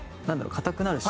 硬くなるし。